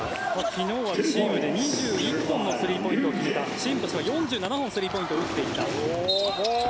昨日はチームで２１本のスリーポイントを決めたチームとしては４７本スリーポイントを打っていた。